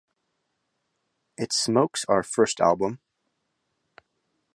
It smokes our first album.